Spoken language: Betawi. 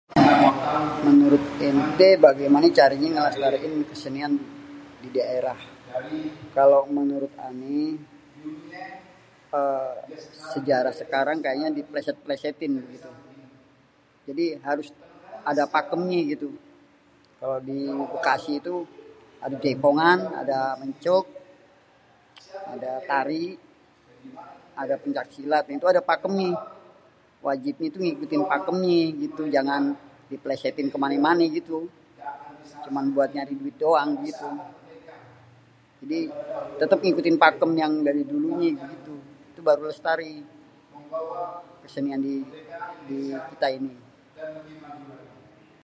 menurut ènté bagaimané caranyé ngelestariin kesenian didaerah? kalau menurut ané, êê sejarah sekarang kayanyê diplesêt-plesêtin gitu. jadi harus ada pakemnyé gitu, kalau dibékasi itu ada jaipongan, ada mencuk, ada tari, ada pencak silat. dan itu ada pakemnyé, wajib itu ngikutin pakemnyé gitu jangan di plesétin kemané-mané gitu. cuma buat nyari duit doang gitu. jadi têtêp ngikutin pakemnyé yang dari dulunyé gitu, itu baru lestari kesenian dikita ini.